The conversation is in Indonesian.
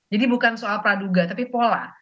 jadi bukan soal praduga tapi pola